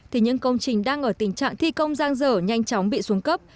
thì những công trình đang ở tình trạng thi công giang dở nhanh chóng bị xuống cấp